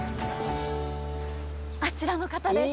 あちらの方です。